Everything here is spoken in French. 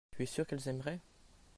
tu es sûr qu'elles aimeraient.